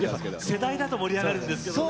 世代だと盛り上がるんですけどね。